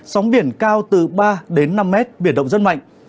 sóng biển cao từ ba đến năm mét biển động rất mạnh